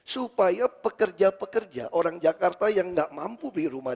supaya pekerja pekerja orang jakarta yang tidak mampu